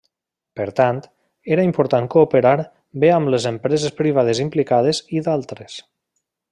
Per tant, era important cooperar bé amb les empreses privades implicades i d'altres.